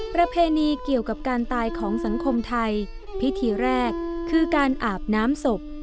ประเพณีเกี่ยวกับการตายของสังคมไทยพิธีแรกคือการอาบน้ำศพ